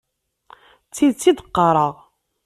D tidet i d-qqareɣ.